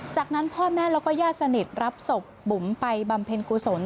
จากนั้นพ่อแม่แล้วก็ญาติสนิทรับศพบุ๋มไปบำเพ็ญกุศล